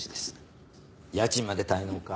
家賃まで滞納か。